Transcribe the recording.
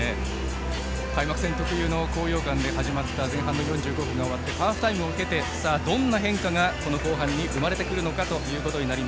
開幕戦特有の高揚感で始まった前半の４５分が終わってハーフタイムを経てさあ、どんな変化が後半に生まれてくるか。